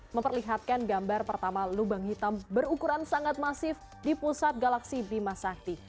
memperlihatkan gambar pertama lubang hitam berukuran sangat masif di pusat galaksi bima sakti